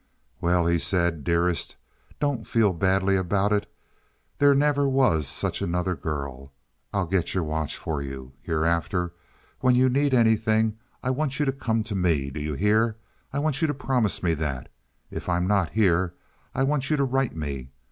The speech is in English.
"Well," he said, "dearest, don't feel badly about it. There never was such another girl. I'll get your watch for you. Hereafter when you need anything I want you to come to me. Do you hear? I want you to promise me that. If I'm not here, I want you to write me.